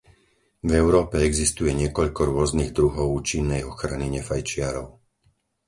V Európe existuje niekoľko rôznych druhov účinnej ochrany nefajčiarov .